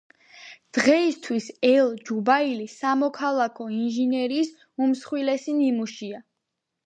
დღეისთვის ელ-ჯუბაილი სამოქალაქო ინჟინერიის უმსხვილესი ნიმუშია.